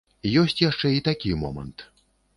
Ёсць яшчэ і такі момант.